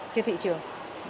trên thị trường